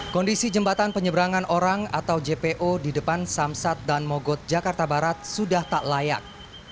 kondisi jembatan penyeberangan orang atau jpo di depan samsat dan mogot jakarta barat sudah tak layak